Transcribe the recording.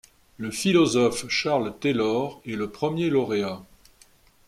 Le philosophe Charles Taylor est le premier lauréat.